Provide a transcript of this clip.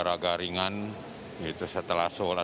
juga dilakukan oleh